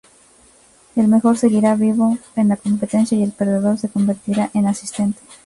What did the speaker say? El mejor seguirá vivo en la competencia y el perdedor se convertirá en asistente.